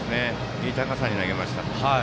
いい高さに投げました。